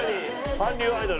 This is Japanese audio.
韓流アイドル。